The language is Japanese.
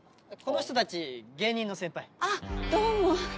この人たち芸人の先輩。